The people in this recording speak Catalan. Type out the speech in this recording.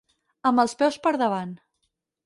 Amb els peus per davant.